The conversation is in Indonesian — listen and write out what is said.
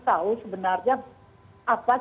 tahu sebenarnya apa